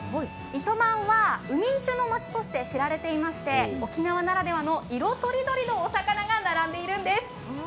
糸満は海人のまちとして知られていまして、沖縄ならではの色とりどりのお魚が並んでいるんです。